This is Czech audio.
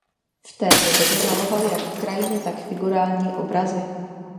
V této době maloval jak krajiny tak figurální obrazy.